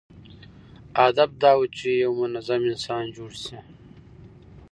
هدف دا و چې یو منظم انسان جوړ شي.